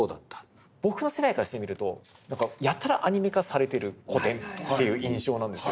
僕の世代からしてみるとやたらアニメ化されてる古典という印象なんですよ。